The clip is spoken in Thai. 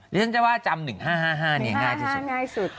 ฉันจะว่าจำ๑๕๕๕ง่ายที่สุด